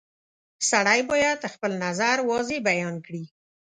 • سړی باید خپل نظر واضح بیان کړي.